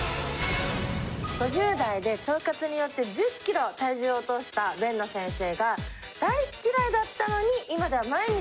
５０代で腸活によって１０キロ体重を落とした辨野先生が大嫌いだったのに今では毎日食べているもの。